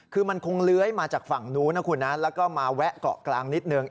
คือมันคงเลื้อยมาจากฝั่งนู้นนะคุณนะแล้วก็มาแวะเกาะกลางนิดนึง